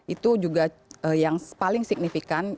itu juga yang paling signifikan